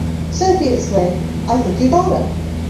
Soapy exclaimed, I think you got him!